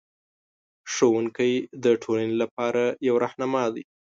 ښوونکی د ټولنې لپاره یو رهنما دی.